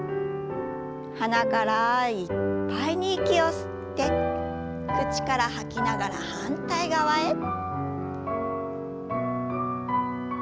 鼻からいっぱいに息を吸って口から吐きながら反対側へ。